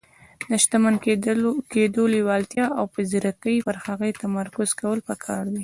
د شتمن کېدو لېوالتیا او په ځيرکۍ پر هغې تمرکز کول پکار دي.